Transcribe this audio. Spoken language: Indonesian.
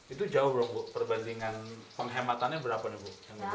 itu jauh bro bu perbandingan penghematannya berapa ya bu